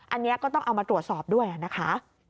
อันนี้ก็ต้องเอามาตรวจสอบด้วยนะคะ